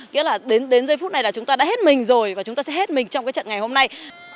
nghĩa là đến giây phút này là chúng ta đã hết mình rồi và chúng ta sẽ hết mình trong cái trận ngày hôm nay